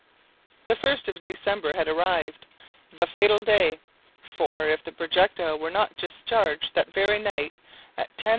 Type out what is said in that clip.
The first of December had arrived! the fatal day! for, if the projectile were not discharged that very night at 10h.